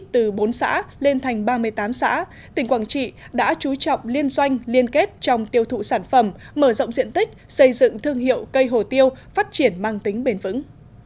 từ bốn xã lên thành ba mươi tám xã tỉnh quảng trị đã chú trọng liên doanh liên kết trong tiêu thụ sản phẩm mở rộng diện tích xây dựng thương hiệu cây hồ tiêu phát triển mang tính bền vững